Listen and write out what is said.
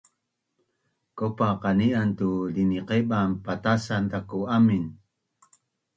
Kaupa qani’an tu liniqeban patasan zaku amin